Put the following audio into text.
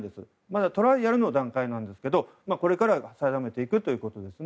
まだトライアルの段階なんですけどこれから定めていくということです。